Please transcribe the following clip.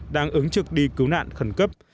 đang ứng trực đi cứu nạn khẩn cấp